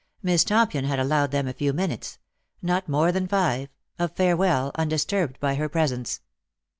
Miss Tompion had allowed them a few minutes — not more than five — of farewell, undisturbed by her presence.